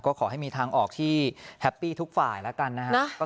ก็ขอให้มีทางออกที่แฮปปี้ทุกฝ่ายแล้วกันนะฮะ